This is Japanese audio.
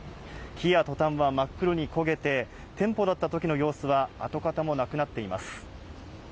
木やトタンを真っ黒に焦げて、店舗だった時の様子は跡形もなくなっています。